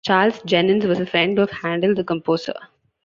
Charles Jennens was a friend of Handel, the composer.